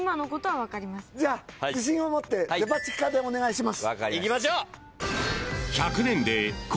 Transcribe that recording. じゃあ自信を持ってデパ地下でお願いします。